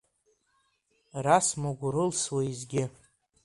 Расмаг урылс уеизгьы.